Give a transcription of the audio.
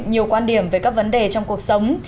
nhiều quan điểm về các vấn đề trong cuộc sống